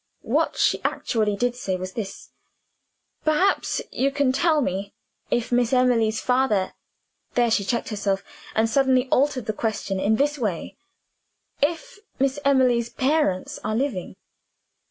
What she actually did say was this: 'Perhaps you can tell me if Miss Emily's father ' There she checked herself, and suddenly altered the question in this way: 'If Miss Emily's parents are living?